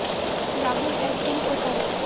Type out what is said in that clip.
রাহুল একজন প্রতারক।